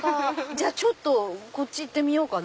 じゃあこっち行ってみようかな。